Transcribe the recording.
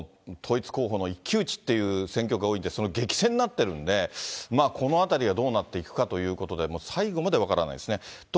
いわゆる与党と野党の統一候補の一騎打ちっていう選挙区が多いんで、激戦になってるんで、このあたりがどうなっていくかということで、最後まで分からないですね。